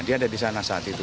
dia ada disana saat itu